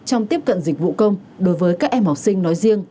trong tiếp cận dịch vụ công đối với các em học sinh nói riêng